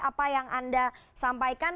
apa yang anda sampaikan